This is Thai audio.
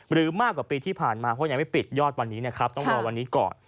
หรือมากกว่าปีที่ผ่านมาเพราะยังไม่ปิดยอดวันนี้นะครับต้องรอวันนี้ก่อน